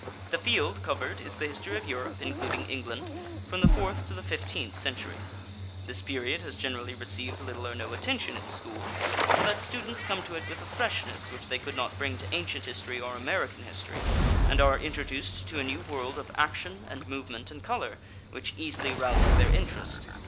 The field covered is the history of Europe, including England, from the fourth to the fifteenth centuries. This period has generally received little or no attention in school, so that students come to it with a freshness which they could not bring to ancient history or American history, and are introduced to a new world of action and movement and color which easily rouses their interest.